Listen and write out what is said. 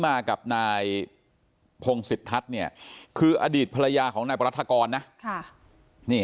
มากับนายพงศิษทัศน์เนี่ยคืออดีตภรรยาของนายปรัฐกรนะ